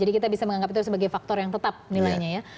jadi kita bisa menganggap itu sebagai faktor yang tetap nilainya ya